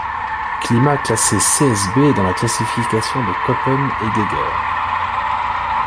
Climat classé Csb dans la classification de Köppen et Geiger.